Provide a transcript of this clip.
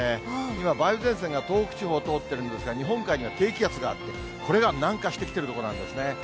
今、梅雨前線が東北地方を通ってるんですが、日本海には低気圧があって、これが南下してきているところなんですね。